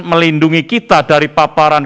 melindungi kita dari paparan